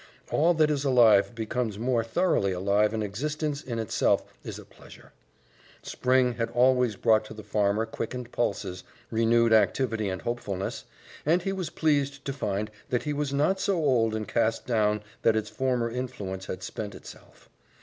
All that is alive becomes more thoroughly alive and existence in itself is a pleasure. Spring had always brought to the farmer quickened pulses, renewed activity and hopefulness, and he was pleased to find that he was not so old and cast down that its former influence had spent itself.